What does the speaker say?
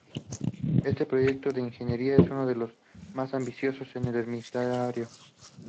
Este proyecto de ingeniería es uno de los más ambiciosos en el emirato.